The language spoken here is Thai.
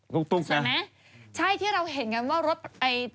ใช่ไหมใช่ที่เราเห็นกันว่า